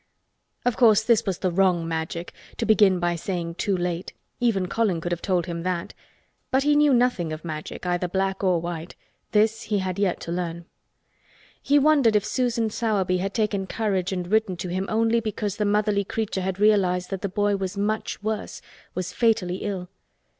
Of course this was the wrong Magic—to begin by saying "too late." Even Colin could have told him that. But he knew nothing of Magic—either black or white. This he had yet to learn. He wondered if Susan Sowerby had taken courage and written to him only because the motherly creature had realized that the boy was much worse—was fatally ill.